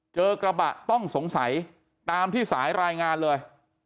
เจอกระบะต้องสงสัยตามที่สายรายงานเลย